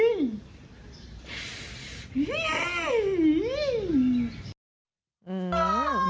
เนี่ย